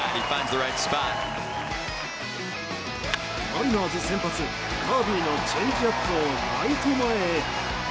マリナーズ先発カービーのチェンジアップをライト前へ。